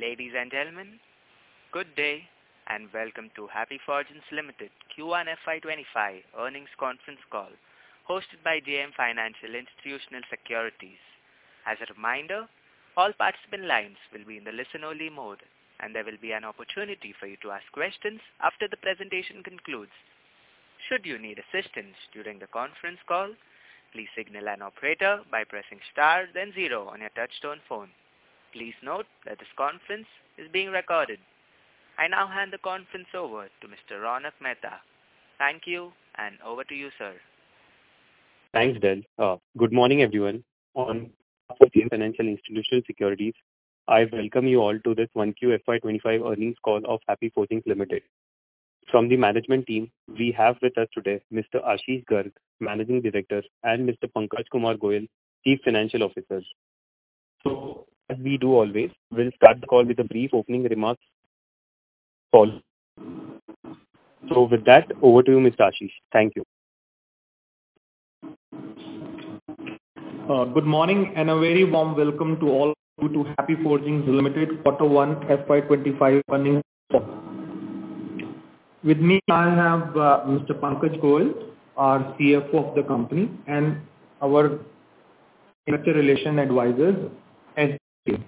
Ladies and gentlemen, good day, and welcome to Happy Forgings Limited Q1 FY25 earnings conference call, hosted by JM Financial Institutional Securities. As a reminder, all participant lines will be in the listen-only mode, and there will be an opportunity for you to ask questions after the presentation concludes. Should you need assistance during the conference call, please signal an operator by pressing star, then zero on your touchtone phone. Please note that this conference is being recorded. I now hand the conference over to Mr. Ronak Mehta. Thank you, and over to you, sir. Thanks, Dell. Good morning, everyone. On behalf of JM Financial Institutional Securities, I welcome you all to this Q1 FY 2025 earnings call of Happy Forgings Limited. From the management team, we have with us today Mr. Ashish Garg, Managing Director, and Mr. Pankaj Kumar Goel, Chief Financial Officer. So as we do always, we'll start the call with a brief opening remarks. [inaudible] So with that, over to you, Mr. Ashish. Thank you. Good morning, and a very warm welcome to all of you to Happy Forgings Limited Quarter One FY 2025 earnings call. With me, I have Mr. Pankaj Goel, our CFO of the company, and our investor relation advisors as team.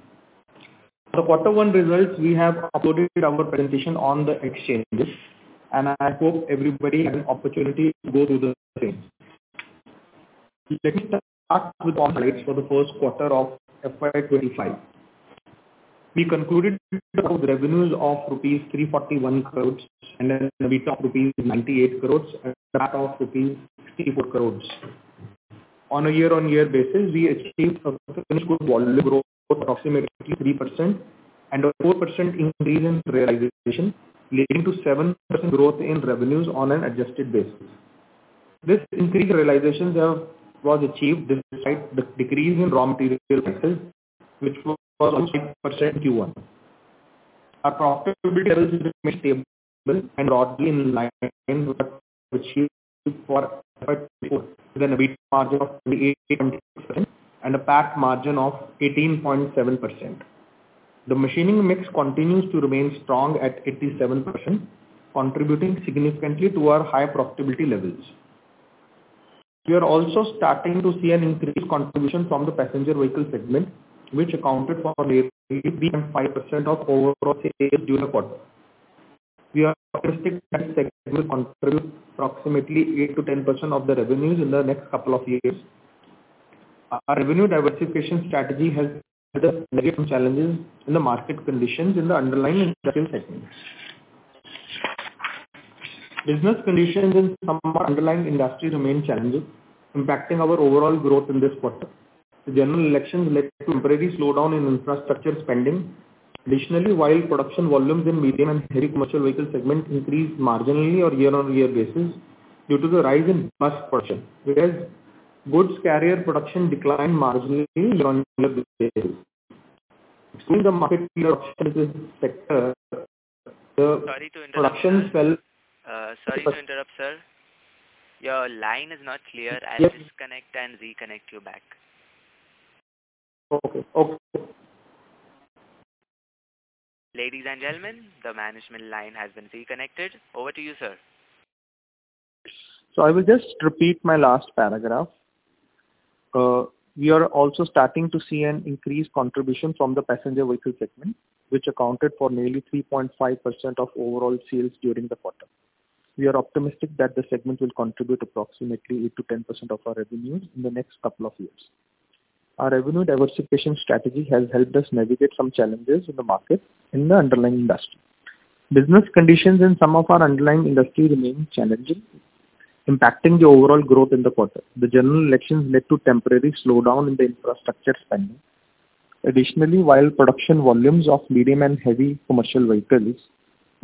The Quarter One results, we have uploaded our presentation on the exchanges, and I hope everybody had an opportunity to go through the same. Let me start with highlights for the first quarter of FY 2025. We concluded with revenues of rupees 341 crores and then EBITDA of rupees 98 crores and EBITDA of rupees 64 crores. On a year-on-year basis, we achieved a very good volume growth, approximately 3% and a 4% increase in realization, leading to 7% growth in revenues on an adjusted basis. This increased realizations was achieved despite the decrease in raw material prices, which were almost 5% Q1. Our profitability levels remained stable and broadly in line with what we achieved for FY 2024, with an EBITDA margin of 28.6% and a PAT margin of 18.7%. The machining mix continues to remain strong at 87%, contributing significantly to our high profitability levels. We are also starting to see an increased contribution from the passenger vehicle segment, which accounted for nearly 3.5% of overall sales during the quarter. We are optimistic that the segment will contribute approximately 8%-10% of the revenues in the next couple of years. Our revenue diversification strategy has helped us navigate some challenges in the market conditions in the underlying industrial segments. Business conditions in some of our underlying industries remain challenging, impacting our overall growth in this quarter. The general elections led to temporary slowdown in infrastructure spending. Additionally, while production volumes in medium and heavy commercial vehicle segments increased marginally on year-on-year basis due to the rise in bus production, whereas goods carrier production declined marginally on Sorry to interrupt. The production fell Sorry to interrupt, sir. Your line is not clear. Yes. I'll disconnect and reconnect you back. Okay. Okay. Ladies and gentlemen, the management line has been reconnected. Over to you, sir. So I will just repeat my last paragraph. We are also starting to see an increased contribution from the passenger vehicle segment, which accounted for nearly 3.5% of overall sales during the quarter. We are optimistic that the segment will contribute approximately 8%-10% of our revenues in the next couple of years. Our revenue diversification strategy has helped us navigate some challenges in the market, in the underlying industry. Business conditions in some of our underlying industry remain challenging, impacting the overall growth in the quarter. The general elections led to temporary slowdown in the infrastructure spending. Additionally, while production volumes of medium and heavy commercial vehicles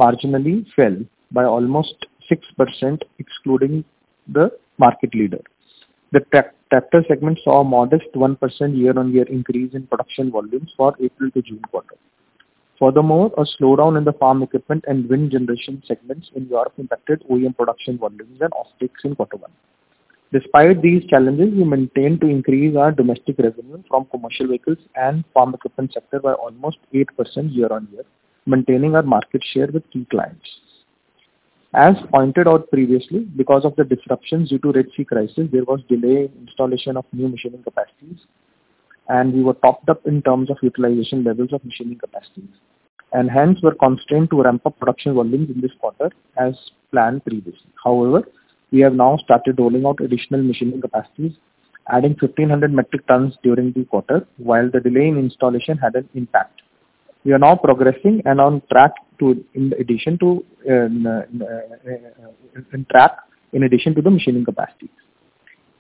marginally fell by almost 6%, excluding the market leader, the tractor segment saw a modest 1% year-on-year increase in production volumes for April to June quarter. Furthermore, a slowdown in the farm equipment and wind generation segments in Europe impacted OEM production volumes and off-takes in Quarter One. Despite these challenges, we maintained to increase our domestic revenue from commercial vehicles and farm equipment sector by almost 8% year-on-year, maintaining our market share with key clients. As pointed out previously, because of the disruptions due to Red Sea crisis, there was delay in installation of new machining capacities, and we were topped up in terms of utilization levels of machining capacities, and hence were constrained to ramp up production volumes in this quarter as planned previously. However, we have now started rolling out additional machining capacities, adding 1,500 metric tons during the quarter, while the delay in installation had an impact. We are now progressing and on track to in addition to the machining capacities.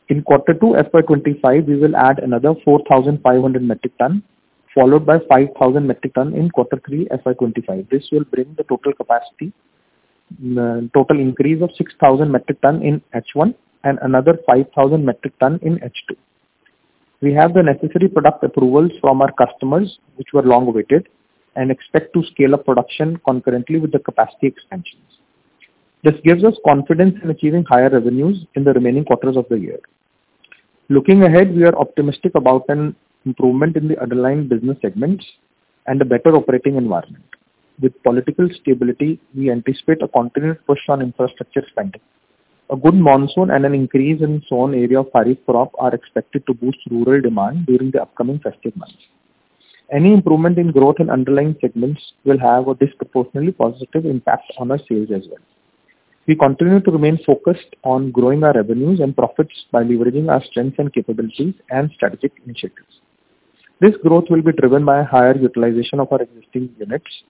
In Quarter Two, FY 2025, we will add another 4,500 metric ton, followed by 5,000 metric ton in Quarter Three, FY 2025. This will bring the total capacity, total increase of 6,000 metric ton in H1 and another 5,000 metric ton in H2. We have the necessary product approvals from our customers, which were long-awaited, and expect to scale up production concurrently with the capacity expansion. This gives us confidence in achieving higher revenues in the remaining quarters of the year. Looking ahead, we are optimistic about an improvement in the underlying business segments and a better operating environment. With political stability, we anticipate a continuous push on infrastructure spending. A good monsoon and an increase in sown area of Kharif crop are expected to boost rural demand during the upcoming festive months. Any improvement in growth in underlying segments will have a disproportionately positive impact on our sales as well. We continue to remain focused on growing our revenues and profits by leveraging our strengths and capabilities and strategic initiatives. This growth will be driven by a higher utilization of our existing units,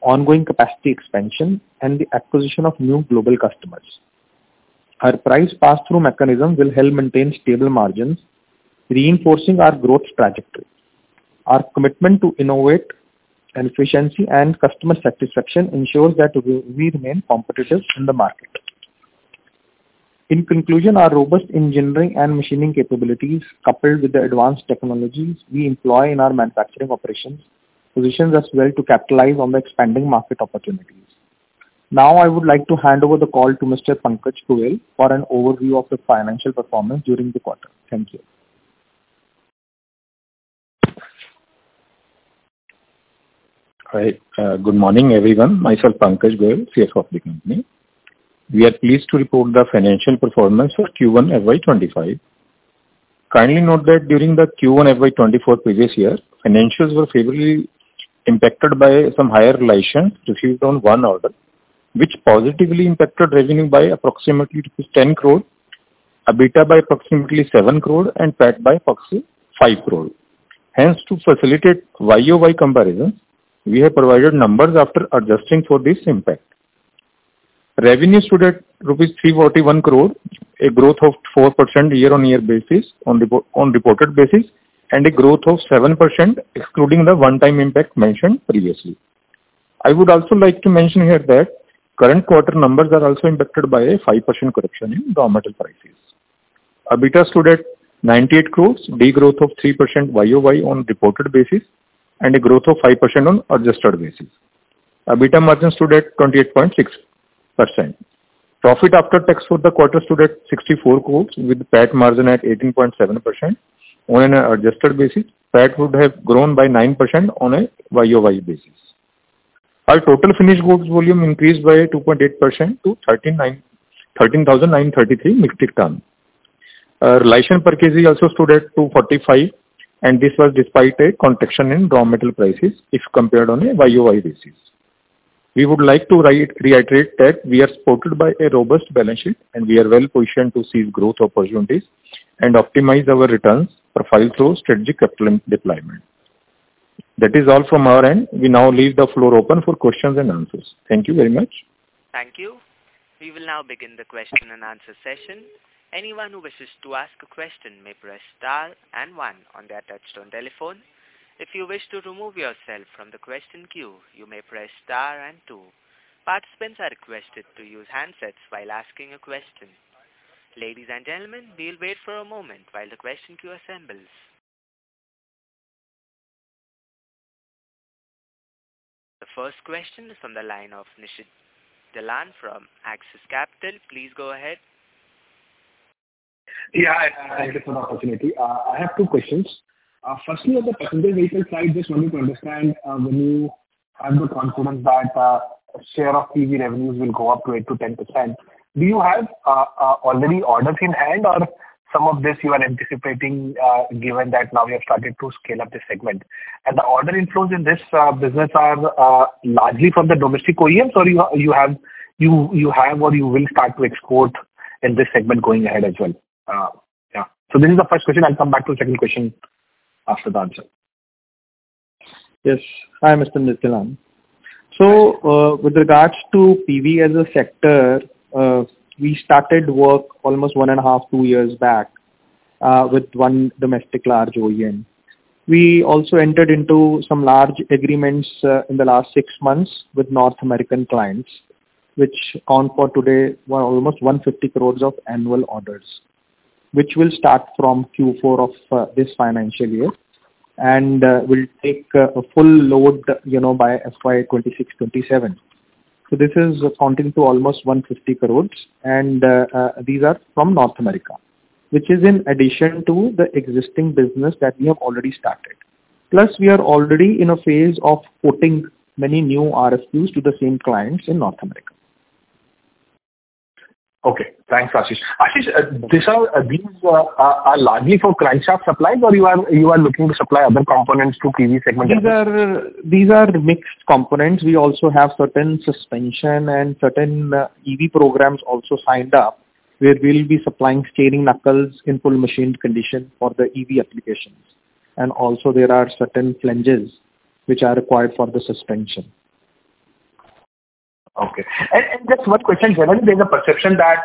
ongoing capacity expansion, and the acquisition of new global customers. Our price pass-through mechanism will help maintain stable margins, reinforcing our growth trajectory. Our commitment to innovate, and efficiency, and customer satisfaction ensures that we remain competitive in the market. In conclusion, our robust engineering and machining capabilities, coupled with the advanced technologies we employ in our manufacturing operations, positions us well to capitalize on the expanding market opportunities. Now, I would like to hand over the call to Mr. Pankaj Goel for an overview of the financial performance during the quarter. Thank you. Hi, good morning, everyone. Myself, Pankaj Goel, CFO of the company. We are pleased to report the financial performance for Q1 FY 2025. Kindly note that during the Q1 FY 2024 previous year, financials were favorably impacted by some higher license received on one order, which positively impacted revenue by approximately rupees 10 crore, EBITDA by approximately 7 crore, and PAT by approximately 5 crore. Hence, to facilitate YOY comparison, we have provided numbers after adjusting for this impact. Revenue stood at rupees 341 crore, a growth of 4% year-on-year basis on reported basis, and a growth of 7%, excluding the one-time impact mentioned previously. I would also like to mention here that current quarter numbers are also impacted by a 5% correction in raw material prices. EBITDA stood at 98 crore, degrowth of 3% YOY on reported basis, and a growth of 5% on adjusted basis. EBITDA margin stood at 28.6%. Profit after tax for the quarter stood at 64 crore, with PAT margin at 18.7%. On an adjusted basis, PAT would have grown by 9% on a YOY basis. Our total finished goods volume increased by 2.8% to 13,933 metric tons. Realization per kg also stood at 245, and this was despite a contraction in raw metal prices if compared on a YOY basis. We would like to reiterate that we are supported by a robust balance sheet, and we are well-positioned to seize growth opportunities and optimize our returns for further strategic deployment. That is all from our end. We now leave the floor open for questions and answers. Thank you very much. Thank you. We will now begin the question and answer session. Anyone who wishes to ask a question may press star and one on their touchtone telephone. If you wish to remove yourself from the question queue, you may press star and two. Participants are requested to use handsets while asking a question. Ladies and gentlemen, we'll wait for a moment while the question queue assembles. The first question is from the line of Nishit Jalan from Axis Capital. Please go ahead. Yeah, thank you for the opportunity. I have two questions. Firstly, on the passenger vehicle side, just wanting to understand, when you have the confidence that, share of EV revenues will go up to 8%-10%, do you have, already orders in hand, or some of this you are anticipating, given that now you have started to scale up this segment? And the order inflows in this, business are, largely from the domestic OEMs, or you have or you will start to export in this segment going ahead as well? Yeah. So this is the first question. I'll come back to the second question after the answer. Yes. Hi, Mr. Nishit Jalan. So, with regards to PV as a sector, we started work almost one and a half, two years back, with one domestic large OEM. We also entered into some large agreements, in the last six months with North American clients, which account for today almost 150 crore of annual orders, which will start from Q4 of this financial year, and will take a full load, you know, by FY 2026, 2027. So this is accounting to almost 150 crore, and these are from North America, which is in addition to the existing business that we have already started. Plus, we are already in a phase of quoting many new RFQs to the same clients in North America. Okay. Thanks, Ashish. Ashish, these are largely for crankshaft supplies, or you are looking to supply other components to PV segment as well? These are, these are mixed components. We also have certain suspension and certain EV programs also signed up, where we'll be supplying steering knuckles in full machined condition for the EV applications. And also there are certain flanges which are required for the suspension. Okay. Just one question, generally, there's a perception that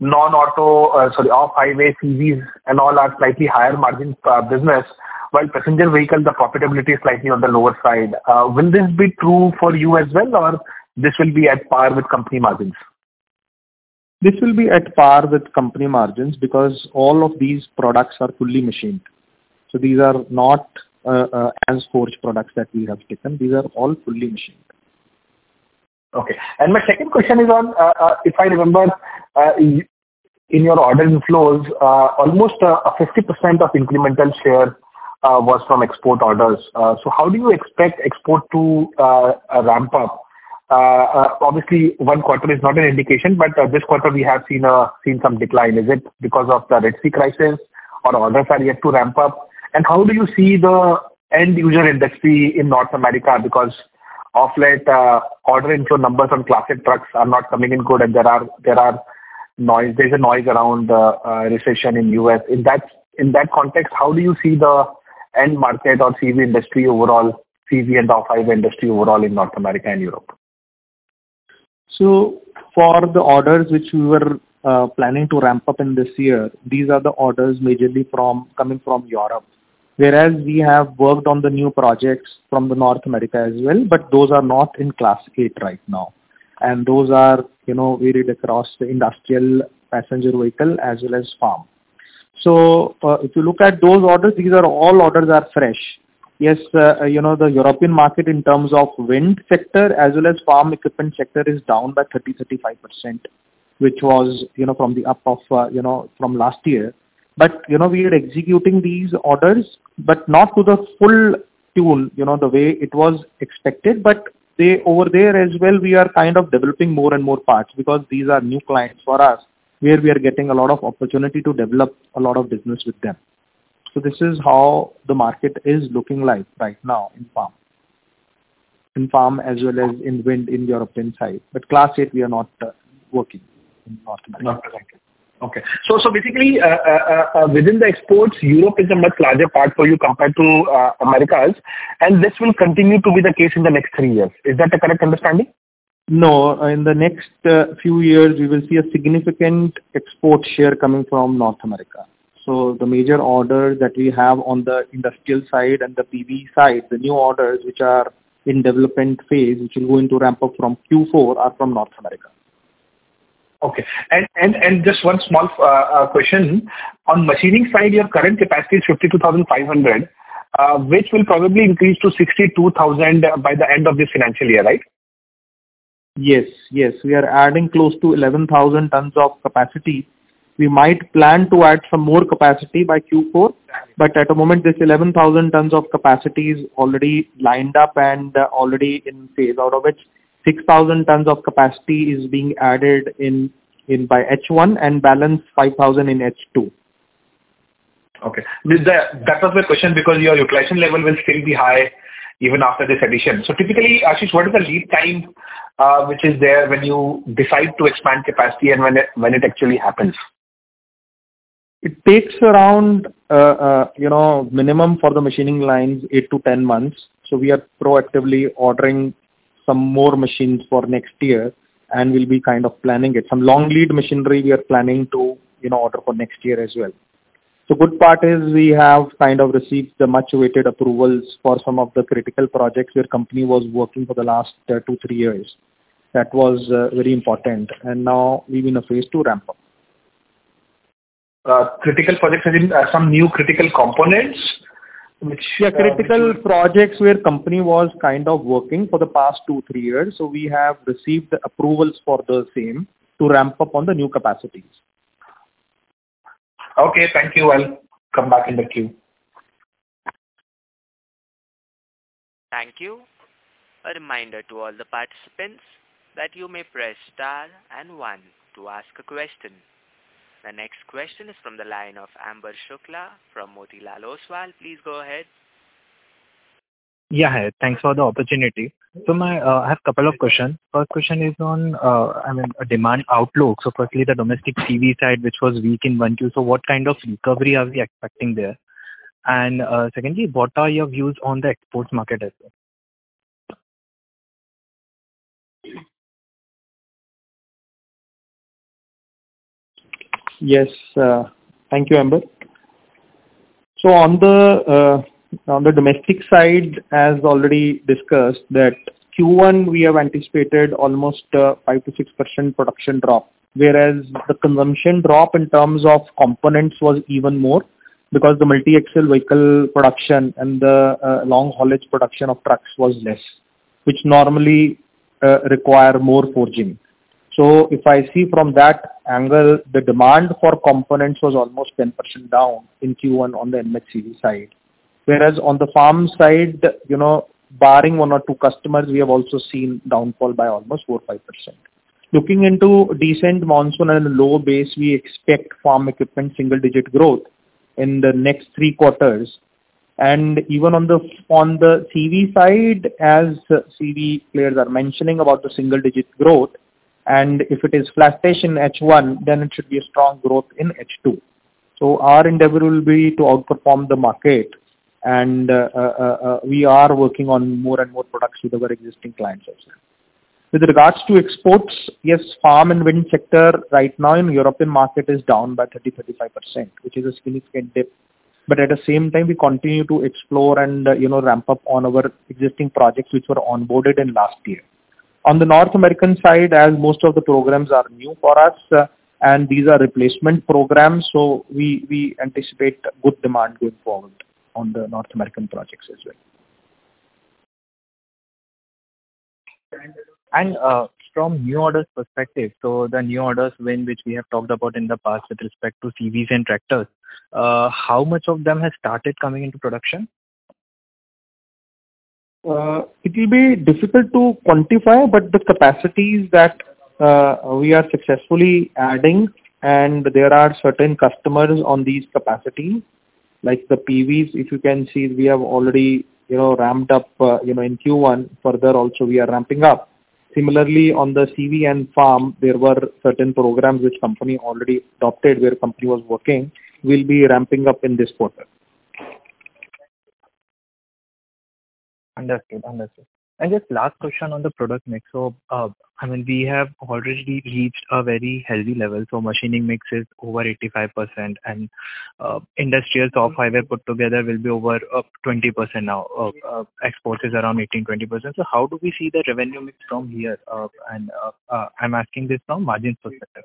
non-auto, sorry, off-highway CVs and all are slightly higher margins business, while passenger vehicles, the profitability is slightly on the lower side. Will this be true for you as well, or this will be at par with company margins? This will be at par with company margins, because all of these products are fully machined. So these are not, as forged products that we have taken. These are all fully machined. Okay. My second question is on, if I remember, in your order inflows, almost 50% of incremental share was from export orders. So how do you expect export to ramp up? Obviously, one quarter is not an indication, but this quarter we have seen some decline. Is it because of the Red Sea crisis or orders are yet to ramp up? And how do you see the end user industry in North America? Because of late, order inflow numbers on Class 8 trucks are not coming in good, and there is a noise around recession in U.S. In that context, how do you see the end market or CV industry overall, CV and off-highway industry overall in North America and Europe? So for the orders which we were planning to ramp up in this year, these are the orders majorly from, coming from Europe. Whereas we have worked on the new projects from North America as well, but those are not in Class 8 right now, and those are, you know, varied across the industrial passenger vehicle as well as farm. So, if you look at those orders, these are all orders are fresh. Yes, you know, the European market in terms of wind sector as well as farm equipment sector is down by 30%-35%, which was, you know, from the up of, from last year. But, you know, we are executing these orders, but not to the full tool, you know, the way it was expected. But they, over there as well, we are kind of developing more and more parts, because these are new clients for us, where we are getting a lot of opportunity to develop a lot of business with them. So this is how the market is looking like right now in farm. In farm, as well as in wind, in European side, but Class 8, we are not working in North America. Okay. So basically, within the exports, Europe is a much larger part for you compared to Americas, and this will continue to be the case in the next three years. Is that a correct understanding? No, in the next few years, we will see a significant export share coming from North America. So the major orders that we have on the industrial side and the PV side, the new orders which are in development phase, which will go into ramp-up from Q4, are from North America. Okay. Just one small question. On machining side, your current capacity is 52,500, which will probably increase to 62,000 by the end of this financial year, right? Yes, yes. We are adding close to 11,000 tons of capacity. We might plan to add some more capacity by Q4, but at the moment, this 11,000 tons of capacity is already lined up and already in phase, out of which 6,000 tons of capacity is being added in by H1 and balance 5,000 in H2. Okay. With that, that was my question, because your utilization level will still be high even after this addition. So typically, Ashish, what is the lead time, which is there when you decide to expand capacity and when it, when it actually happens? It takes around, you know, minimum for the machining lines, eight to 10 months. So we are proactively ordering some more machines for next year, and we'll be kind of planning it. Some long lead machinery we are planning to, you know, order for next year as well. The good part is we have kind of received the much-awaited approvals for some of the critical projects your company was working for the last two to three years. That was very important, and now we're in a phase to ramp up. critical projects, as in, some new critical components, which, Yeah, critical projects where the Company was kind of working for the past two to three years, so we have received the approvals for the same to ramp up on the new capacities. Okay, thank you. I'll come back in the queue. Thank you. A reminder to all the participants that you may press star and one to ask a question. The next question is from the line of Amber Shukla from Motilal Oswal. Please go ahead. Yeah, hi. Thanks for the opportunity. So my, I have a couple of questions. First question is on, I mean, demand outlook. So firstly, the domestic CV side, which was weak in Q1, so what kind of recovery are we expecting there? And, secondly, what are your views on the exports market as well? Yes, thank you, Amber. So on the domestic side, as already discussed, that Q1, we have anticipated almost 5%-6% production drop, whereas the consumption drop in terms of components was even more, because the multi-axle vehicle production and the long-haulage production of trucks was less, which normally require more forging. So if I see from that angle, the demand for components was almost 10% down in Q1 on the MHCV side. Whereas on the farm side, you know, barring one or two customers, we have also seen downfall by almost 4%-5%. Looking into decent monsoon and low base, we expect farm equipment single-digit growth in the next three quarters. Even on the CV side, as CV players are mentioning about the single digit growth, and if it is flat in H1, then it should be a strong growth in H2. So our endeavor will be to outperform the market, and we are working on more and more products with our existing clients ourselves. With regards to exports, yes, farm and wind sector right now in European market is down by 30%-35%, which is a significant dip, but at the same time, we continue to explore and, you know, ramp up on our existing projects, which were onboarded in last year. On the North American side, as most of the programs are new for us, and these are replacement programs, so we anticipate good demand going forward on the North American projects as well. From new orders perspective, so the new orders win, which we have talked about in the past with respect to CVs and tractors, how much of them has started coming into production? It will be difficult to quantify, but the capacities that we are successfully adding, and there are certain customers on these capacities, like the PVs, if you can see, we have already, you know, ramped up in Q1. Further also, we are ramping up. Similarly, on the CV and farm, there were certain programs which company already adopted, where company was working, we'll be ramping up in this quarter. Understood. Understood. Just last question on the product mix. So, I mean, we have already reached a very healthy level, so machining mix is over 85%, and industrial top five put together will be over 20% now, exports is around 18%-20%. So how do we see the revenue mix from here? And I'm asking this from margin perspective.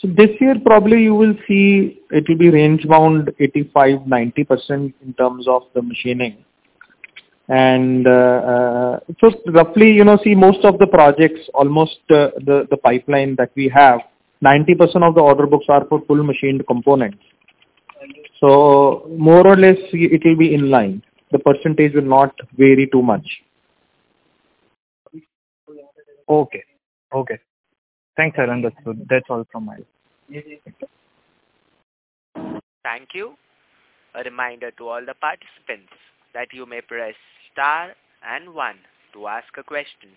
So this year, probably you will see it will be range bound 85%-90% in terms of the machining. And so roughly, you know, see, most of the projects, almost, the pipeline that we have, 90% of the order books are for full machined components. So more or less, it will be in line. The percentage will not vary too much. Okay. Okay. Thanks, I understand. That's all from my end. Thank you. A reminder to all the participants that you may press star and one to ask a question.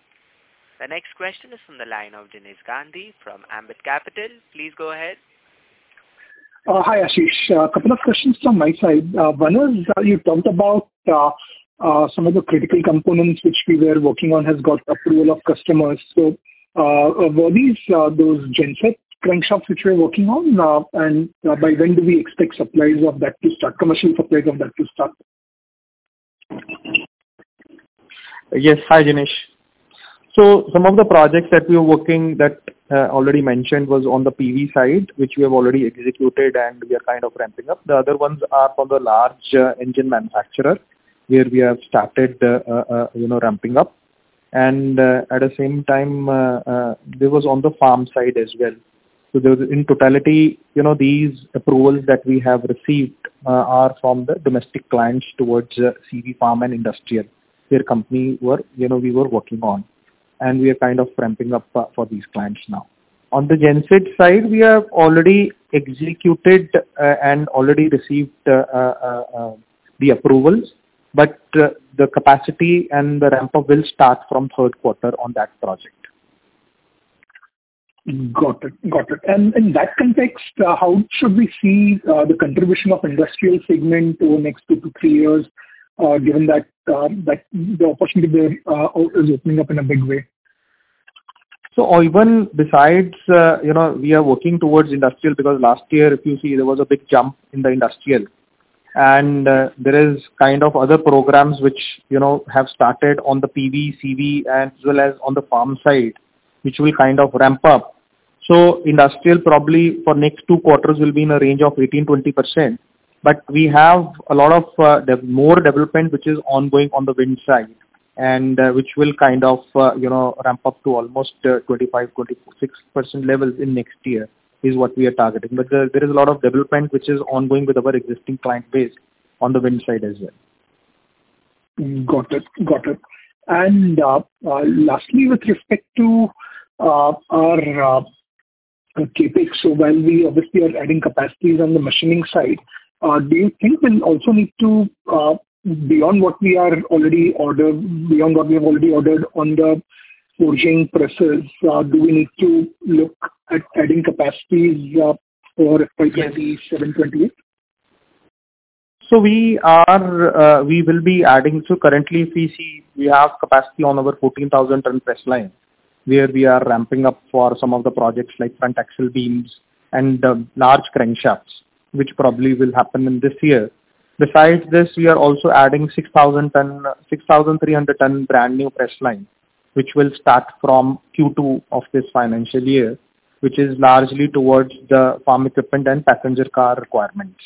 The next question is from the line of Jinesh Gandhi from Ambit Capital. Please go ahead. Hi, Ashish. Couple of questions from my side. One is, you talked about some of the critical components which we were working on, has got approval of customers. So, were these those genset crankshafts, which we're working on? And, by when do we expect supplies of that to start, commercial supplies of that to start? Yes. Hi, Jinesh. So some of the projects that we are working that already mentioned was on the PV side, which we have already executed, and we are kind of ramping up. The other ones are from the large engine manufacturer, where we have started you know ramping up. And at the same time there was on the farm side as well. So there was, in totality, you know, these approvals that we have received are from the domestic clients towards CV, farm, and industrial, where company were, you know, we were working on, and we are kind of ramping up for these clients now. On the genset side, we have already executed and already received the approvals, but the capacity and the ramp up will start from third quarter on that project. Got it. Got it. In that context, how should we see the contribution of industrial segment over the next two to three years, given that the opportunity there is opening up in a big way? So even besides, you know, we are working towards industrial, because last year, if you see, there was a big jump in the industrial. And there is kind of other programs which, you know, have started on the PV, CV, as well as on the farm side, which will kind of ramp up. So industrial, probably for next two quarters, will be in a range of 18%-20%. But we have a lot of more development, which is ongoing on the wind side, and which will kind of, you know, ramp up to almost 25%-26% levels in next year, is what we are targeting. But there is a lot of development which is ongoing with our existing client base on the wind side as well. Got it. Got it. Lastly, with respect to our CapEx, so while we obviously are adding capacities on the machining side, do you think we'll also need to, beyond what we have already ordered on the forging presses, do we need to look at adding capacities for fiscal 2027, 2028? So we are, we will be adding. So currently, if we see, we have capacity on our 14,000 ton press line, where we are ramping up for some of the projects like front axle beams and large crankshafts, which probably will happen in this year. Besides this, we are also adding 6,000-ton, 6,300-ton brand new press line, which will start from Q2 of this financial year, which is largely towards the farm equipment and passenger car requirements.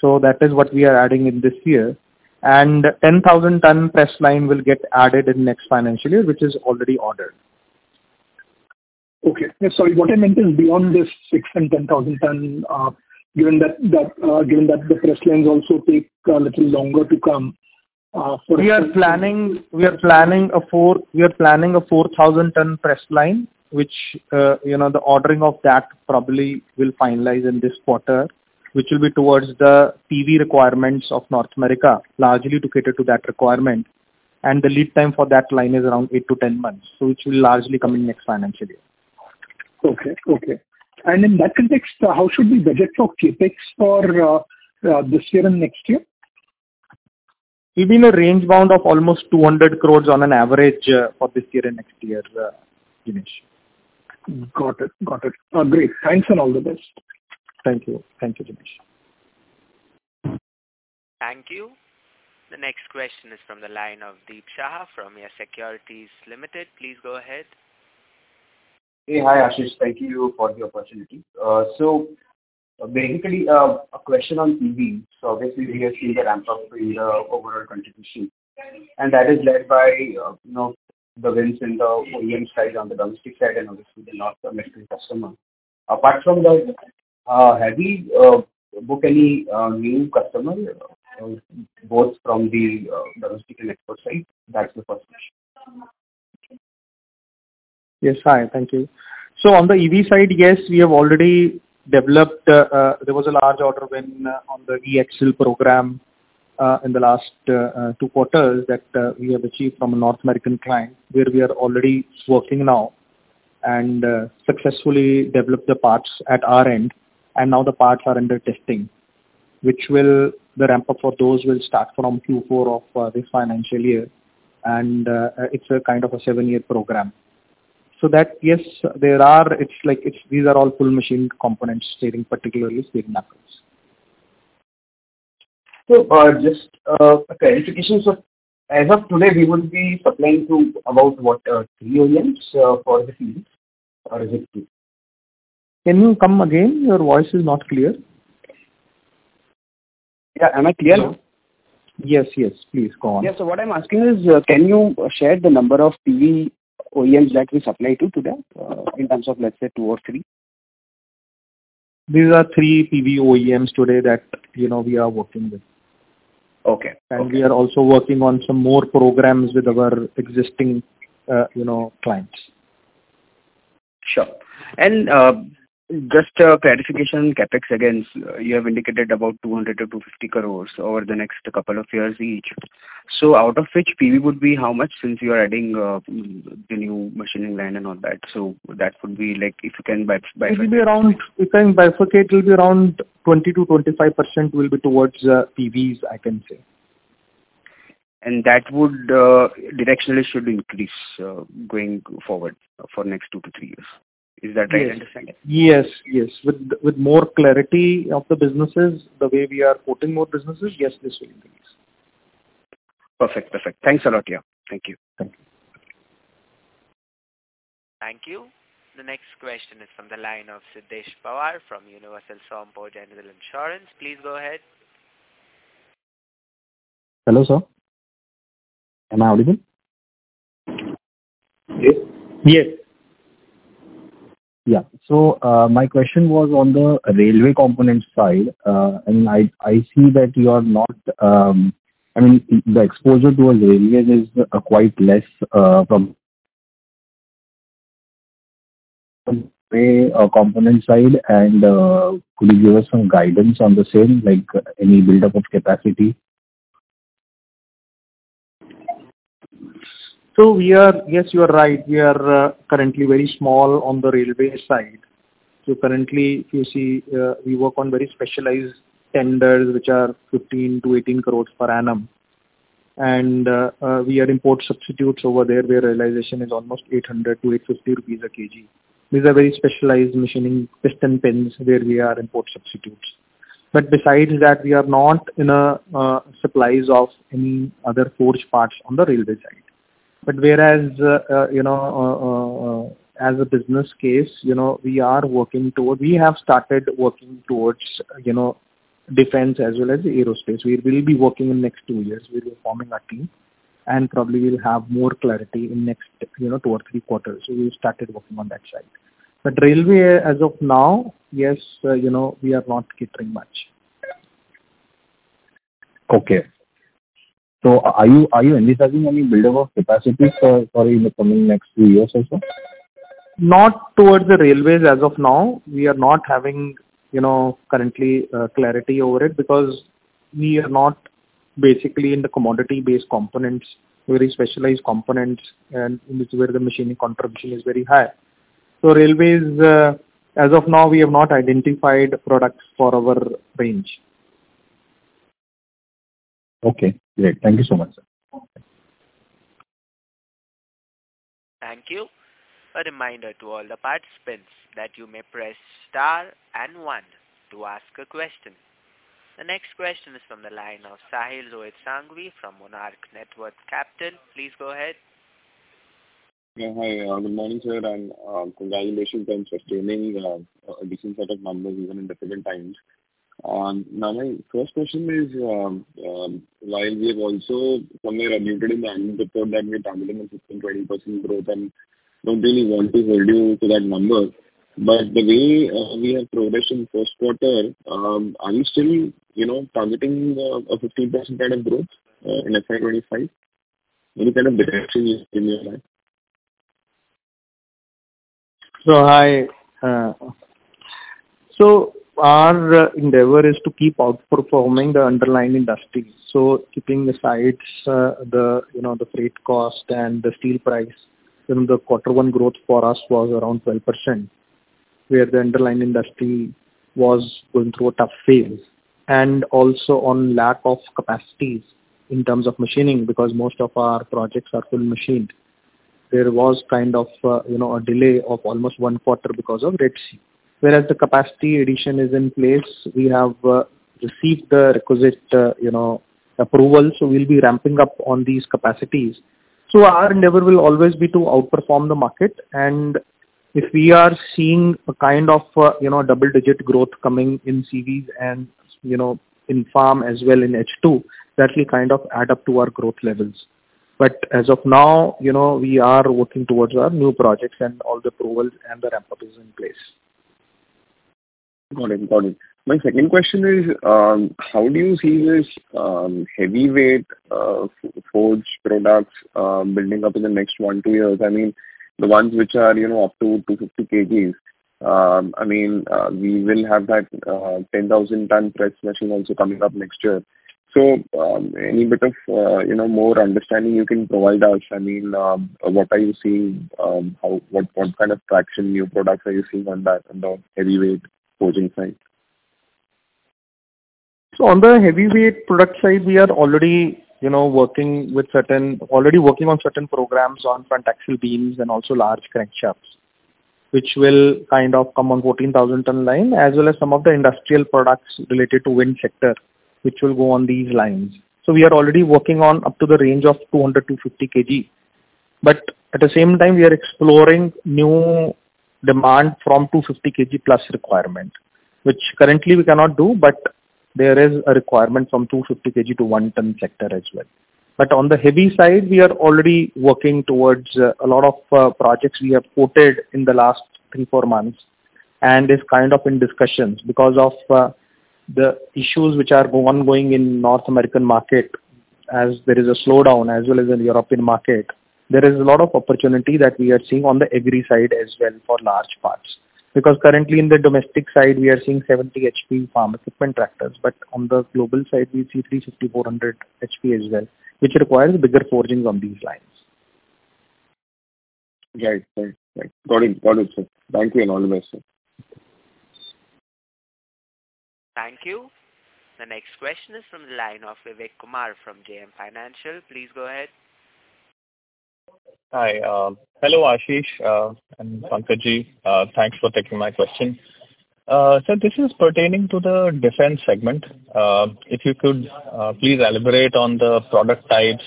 So that is what we are adding in this year. And 10,000-ton press line will get added in next financial year, which is already ordered. Okay. Sorry, what I meant is beyond this 6,000 and 10,000 ton, given that the press lines also take a little longer to come, for- We are planning a 4,000-ton press line, which, you know, the ordering of that probably will finalize in this quarter, which will be towards the PV requirements of North America, largely to cater to that requirement. The lead time for that line is around eigth to 10 months, so it will largely come in next financial year. Okay, okay. In that context, how should we budget for CapEx for this year and next year? be in a range-bound of almost 200 crore on an average, for this year and next year, Jinesh. Got it. Got it. Great! Thanks, and all the best. Thank you. Thank you, Jinesh. Thank you. The next question is from the line of Deep Shah from Yes Securities Limited. Please go ahead. Hey. Hi, Ashish. Thank you for the opportunity. So basically, a question on EV. So obviously, we have seen the ramp-up in the overall contribution, and that is led by, you know, the wins in the OEM side, on the domestic side, and obviously the North American customer. Apart from that, have we booked any new customer, both from the domestic and export side? That's the first question. Yes. Hi, thank you. So on the EV side, yes, we have already developed. There was a large order win on the E-Axle program in the last two quarters that we have achieved from a North American client, where we are already working now and successfully developed the parts at our end, and now the parts are under testing, which will, the ramp-up for those will start from Q4 of this financial year. And it's a kind of a seven-year program. So that, yes, there are, it's like, it's, these are all full machined components, steering, particularly steering knuckles. So, just clarification. So as of today, we will be supplying to about what, three OEMs, for the EV, or is it two? Can you come again? Your voice is not clear. Yeah. Am I clear now? Yes, yes, please go on. Yeah. So what I'm asking is, can you share the number of EV OEMs that we supply to, today, in terms of, let's say, two or three? These are three EV OEMs today that, you know, we are working with. Okay. We are also working on some more programs with our existing, you know, clients. Sure. And, just a clarification, CapEx, again, you have indicated about 200-250 crores over the next couple of years each. So out of which, EV would be how much, since you are adding the new machining line and all that? So that would be like, if you can bifur- It will be around. If you can bifurcate, it will be around 20%-25% will be towards EVs, I can say. That would, directionally should increase, going forward for next two to three years. Is that right? Yes, yes. With more clarity of the businesses, the way we are putting more businesses, yes, this will increase. Perfect. Perfect. Thanks a lot, yeah. Thank you. Thank you. Thank you. The next question is from the line of Sidhesh Pawar from Universal Sompo General Insurance. Please go ahead. Hello, sir. Am I audible? Yes. Yes. Yeah. So, my question was on the railway component side, and I see that you are not, I mean, the exposure towards railway is quite less, from a component side. Could you give us some guidance on the same, like any buildup of capacity? Yes, you are right. We are currently very small on the railway side. Currently, if you see, we work on very specialized tenders, which are 15-18 crore per annum. We are import substitutes over there, where realization is almost 800-850 rupees a kg. These are very specialized machining piston pins, where we are import substitutes. But besides that, we are not in supplies of any other source parts on the railway side. But whereas, as a business case, you know, we are working toward. We have started working towards, you know, defense as well as aerospace. We will be working in next two years. We are forming a team, and probably we'll have more clarity in next, you know, two or three quarters. We started working on that side. But railway, as of now, yes, you know, we are not catering much. Okay. So are you envisaging any buildup of capacity in the coming next two years or so? Not towards the railways as of now. We are not having, you know, currently, clarity over it, because we are not basically in the commodity-based components, very specialized components, and in which where the machining contribution is very high. So railways, as of now, we have not identified products for our range. Okay, great. Thank you so much, sir. Thank you. A reminder to all the participants that you may press star and one to ask a question. The next question is from the line of Sahil Rohit Sanghvi from Monarch Networth Capital. Please go ahead. Yeah, hi. Good morning, sir, and congratulations on sustaining a decent set of numbers even in difficult times. Now, my first question is, while we have also somewhere admitted in the annual report that we're targeting a 15%-20% growth and don't really want to hold you to that number, but the way we have progressed in the first quarter, are you still, you know, targeting a 50% kind of growth in FY 2025? Any kind of direction you can give on that. So hi, so our endeavor is to keep outperforming the underlying industry. So keeping aside, the, you know, the freight cost and the steel price, then the quarter one growth for us was around 12%, where the underlying industry was going through a tough phase, and also on lack of capacities in terms of machining, because most of our projects are full machined. There was kind of, you know, a delay of almost one quarter because of Red Sea. Whereas the capacity addition is in place, we have received the requisite, you know, approval, so we'll be ramping up on these capacities. So our endeavor will always be to outperform the market, and if we are seeing a kind of, you know, double-digit growth coming in CVs and, you know, in farm as well in H2, that will kind of add up to our growth levels. But as of now, you know, we are working towards our new projects and all the approvals, and the ramp-up is in place. Got it, got it. My second question is, how do you see this, heavyweight, forge products, building up in the next one to two years? I mean, the ones which are, you know, up to 250 kgs. I mean, we will have that, 10,000-ton press machine also coming up next year. So, any bit of, you know, more understanding you can provide us? I mean, what are you seeing, how, what, what kind of traction new products are you seeing on that, on the heavyweight forging side? So on the heavyweight product side, we are already, you know, already working on certain programs on front axle beams and also large crankshafts, which will kind of come on 14,000-ton line, as well as some of the industrial products related to wind sector, which will go on these lines. So we are already working on up to the range of 200 Kg-250 kg. But at the same time, we are exploring new demand from 250 kg plus requirement, which currently we cannot do, but there is a requirement from 250 kg to one ton sector as well. But on the heavy side, we are already working towards a lot of projects we have quoted in the last three to four months, and is kind of in discussions because of the issues which are ongoing in North American market, as there is a slowdown, as well as in the European market. There is a lot of opportunity that we are seeing on the agri side as well for large parts, because currently in the domestic side we are seeing 70 HP farm equipment tractors, but on the global side we see 350 HP-400 HP as well, which requires bigger forgings on these lines. Right. Right. Right. Got it. Got it, sir. Thank you and all the best, sir. Thank you. The next question is from the line of Vivek Kumar from JM Financial. Please go ahead. Hi, hello, Ashish, and Pankaj thanks for taking my question. So this is pertaining to the defense segment. If you could, please elaborate on the product types,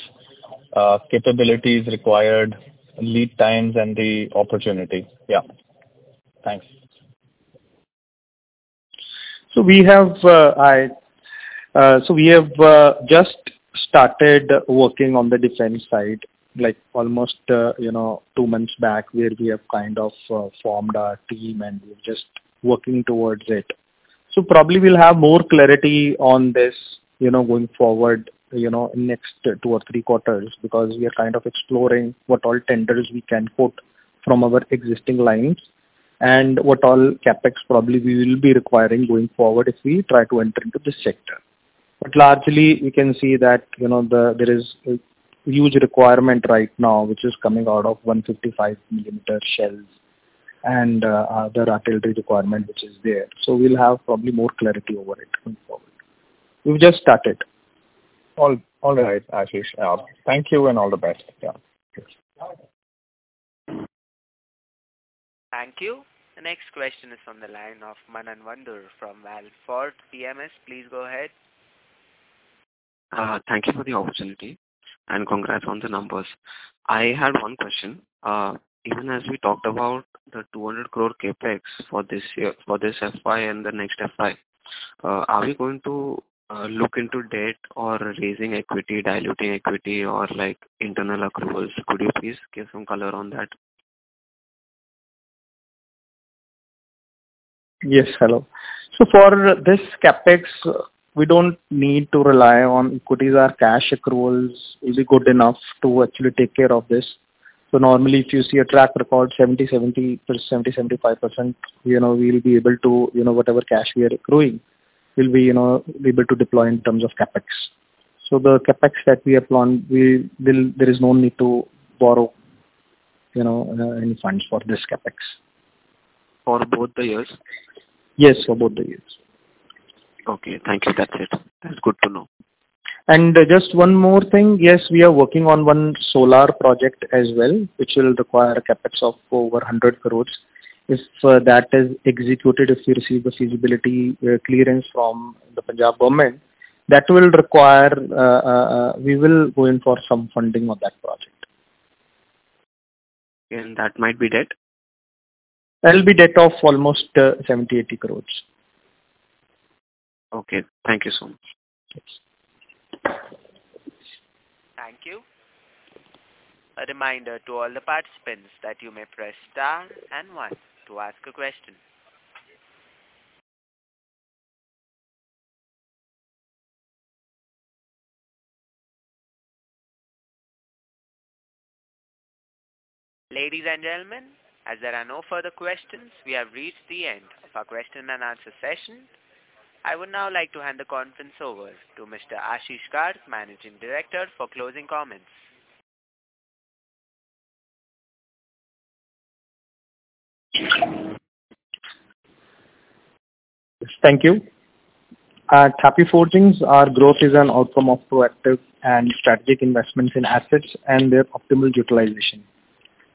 capabilities required, lead times, and the opportunity. Yeah. Thanks. So we have just started working on the defense side, like almost, you know, two months back, where we have kind of formed our team and we're just working towards it. So probably we'll have more clarity on this, you know, going forward, you know, next two or three quarters, because we are kind of exploring what all tenders we can quote from our existing lines, and what all CapEx probably we will be requiring going forward if we try to enter into this sector. But largely, we can see that, you know, the, there is a huge requirement right now, which is coming out of 155 mm shells and, other artillery requirement, which is there. So we'll have probably more clarity over it going forward. We've just started. All right, Ashish. Thank you, and all the best. Yeah. Cheers. Thank you. The next question is from the line of Manan Vora from AlfAccurate Advisors. Please go ahead. Thank you for the opportunity, and congrats on the numbers. I had one question: even as we talked about the 200 crore CapEx for this year, for this FY and the next FY, are we going to look into debt or raising equity, diluting equity, or, like, internal accruals? Could you please give some color on that? Yes, hello. So for this CapEx, we don't need to rely on equities. Our cash accruals is good enough to actually take care of this. So normally, if you see a track record, 70%-75%, you know, we'll be able to, you know, whatever cash we are accruing, we'll be, you know, able to deploy in terms of CapEx. So the CapEx that we have planned, we will. There is no need to borrow, you know, any funds for this CapEx. For both the years? Yes, for both the years. Okay, thank you. That's it. That's good to know. Just one more thing. Yes, we are working on one solar project as well, which will require a CapEx of over 100 crore. If that is executed, if we receive the feasibility clearance from the Government of Punjab, that will require, we will go in for some funding of that project. That might be debt? That'll be debt of almost 70-80 crores. Okay. Thank you so much. Thank you. A reminder to all the participants that you may press star and one to ask a question. Ladies and gentlemen, as there are no further questions, we have reached the end of our question and answer session. I would now like to hand the conference over to Mr. Ashish Garg, Managing Director, for closing comments. Thank you. At Happy Forgings, our growth is an outcome of proactive and strategic investments in assets and their optimal utilization.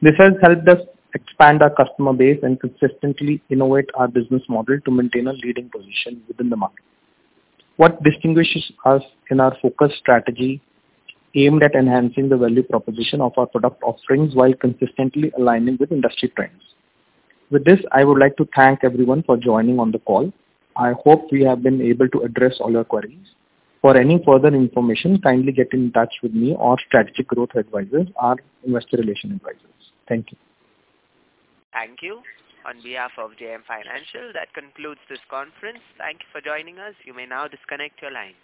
This has helped us expand our customer base and consistently innovate our business model to maintain a leading position within the market. What distinguishes us in our focus strategy, aimed at enhancing the value proposition of our product offerings while consistently aligning with industry trends. With this, I would like to thank everyone for joining on the call. I hope we have been able to address all your queries. For any further information, kindly get in touch with me or Strategic Growth Advisors, our investor relations advisors. Thank you. Thank you. On behalf of JM Financial, that concludes this conference. Thank you for joining us. You may now disconnect your line.